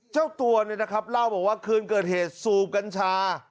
เจ้าตัวเนี่ยนะครับเล่าบอกว่าคืนเกิดเหตุสูบกัญชา